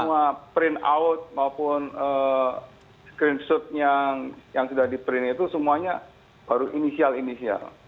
semua print out maupun screenshot yang sudah di print itu semuanya baru inisial inisial